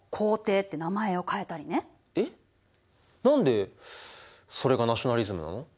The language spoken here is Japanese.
えっ何でそれがナショナリズムなの？